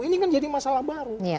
ini kan jadi masalah baru